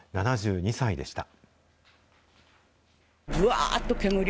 ７２歳でした。